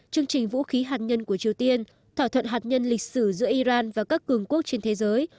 chương trình vũ khí hạt nhân của triều tiên thỏa thuận hạt nhân lịch sử giữa iran và các cường quốc trên thế giới